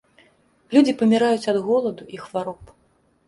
Людзі паміраюць ад голаду і хвароб.